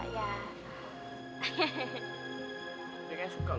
ya kayaknya suka lu